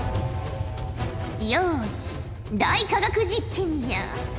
よし大科学実験じゃ！